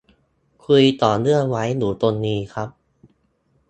คุยต่อเนื่องไว้อยู่ตรงนี้ครับ